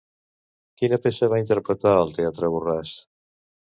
Quina peça va interpretar al teatre Borràs?